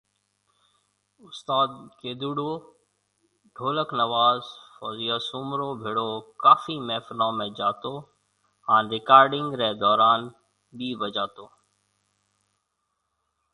استاد گيدُوڙو ڍولڪ نواز فوزيا سومرو ڀيڙو ڪافي محفلون ۾ جاتو هان رڪارڊنگ ري دوران بِي بجاتو